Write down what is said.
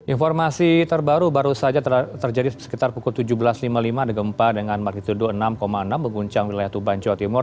informasi terbaru baru saja terjadi sekitar pukul tujuh belas lima puluh lima ada gempa dengan magnitudo enam enam mengguncang wilayah tuban jawa timur